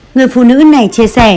người phụ nữ này chia sẻ